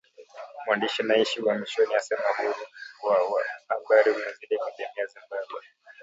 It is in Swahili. Mwandishi anayeishi uhamishoni asema uhuru wa habari umezidi kudidimia Zimbabwe